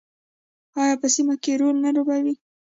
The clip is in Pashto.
آیا په سیمه کې رول نه لوبوي؟